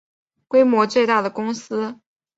规模最大的公司